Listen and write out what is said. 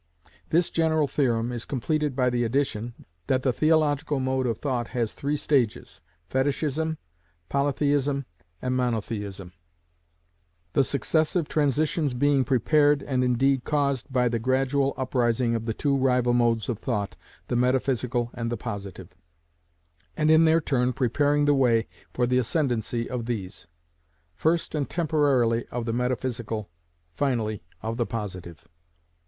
This general theorem is completed by the addition, that the theological mode of thought has three stages, Fetichism, Polytheism, and Monotheism: the successive transitions being prepared, and indeed caused, by the gradual uprising of the two rival modes of thought, the metaphysical and the positive, and in their turn preparing the way for the ascendancy of these; first and temporarily of the metaphysical, finally of the positive.